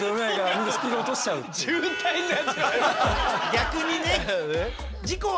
逆にね。